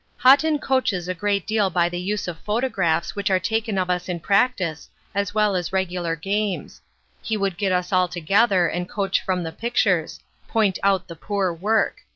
"Haughton coaches a great deal by the use of photographs which are taken of us in practice as well as regular games. He would get us all together and coach from the pictures point out the poor work.